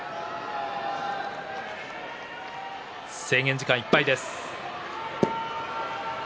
制限時間いっぱいです。